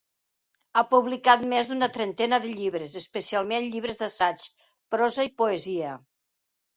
Ha publicat més d'una trentena de llibres, especialment, llibres d'assaig, prosa i poesia.